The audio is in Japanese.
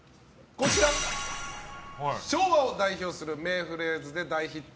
昭和を代表する名フレーズで大ヒット。